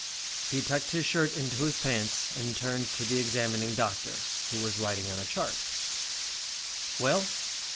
He tucked his shirt into his pants and turned to the examining doctor who was writing on a chart. "Well?"